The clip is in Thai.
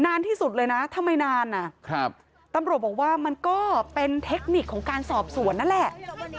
นานที่สุดเลยนะทำไมนานอ่ะครับตำรวจบอกว่ามันก็เป็นเทคนิคของการสอบสวนนั่นแหละ